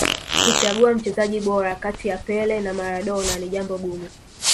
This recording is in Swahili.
kuchagua mchezaji bora kati ya pele na maradona ni jambo gumu